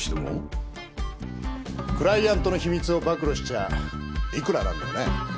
クライアントの秘密を暴露しちゃいくら何でもね。